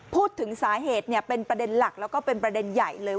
พูดถึงสาเหตุเป็นประเด็นหลักแล้วก็เป็นประเด็นใหญ่เลย